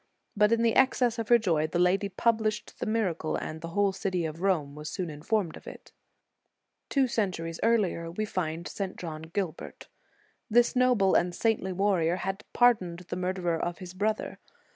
But in the excess of her joy, the lady published the * In Thalass. 15* 174 The Sign of the Cross miracle, and the whole city of Rome was socn informed of it. Two centuries earlier we find St. John Gualbert. This noble and saintly warrior had pardoned the murderer of his brother.